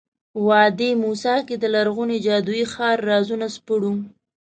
وادي موسی کې د لرغوني جادویي ښار رازونه سپړو.